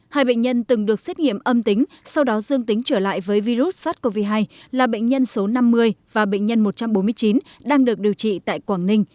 hai bệnh nhân từng được xét nghiệm âm tính sau đó dương tính trở lại với virus sars cov hai là bệnh nhân số năm mươi và bệnh nhân một trăm bốn mươi chín đang được điều trị tại quảng ninh